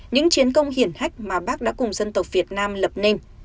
những chiến công hiển hách mà bác đã cùng dân tộc việt nam lập nên